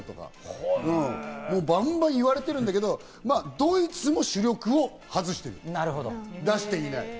バンバン言われてるんだけど、ドイツも主力を外してる、出していない。